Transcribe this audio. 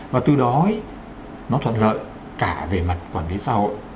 và từ đó nó thuận lợi cả về mặt quản lý xã hội